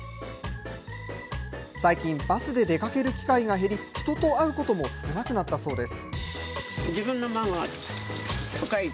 最近、バスで出かける機会が減り、人と会うことも少なくなったそうです。